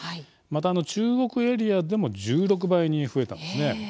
また中国エリアでも１６倍に増えたんですね。